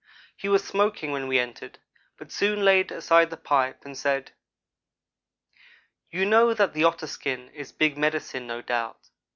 He was smoking when we entered, but soon laid aside the pipe and said: "You know that the otter skin is big medicine, no doubt.